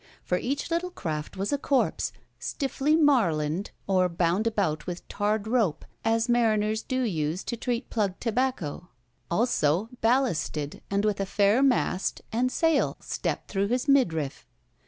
For each little craft was a corpse, stiffly "marlined," or bound about with tarred rope, as mariners do use to treat plug tobacco: also ballasted, and with a fair mast and sail stepped through his midriff.